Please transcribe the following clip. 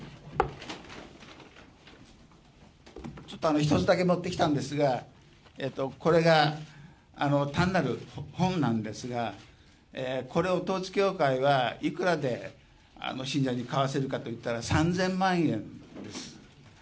ちょっと１つだけ持ってきたんですが、これが、単なる本なんですが、これを統一教会はいくらで信者に買わせるかといったら３０００万円です。